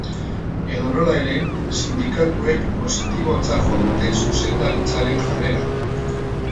Edonola ere, sindikatuek positibotzat jo dute zuzendaritzaren jarrera.